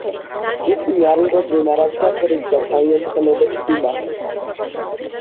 ისინი არ იღებდნენ არავითარ კრიტიკას თავიანთი ხელოვნების მიმართ.